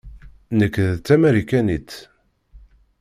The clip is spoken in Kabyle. Nekk d Tamarikanit.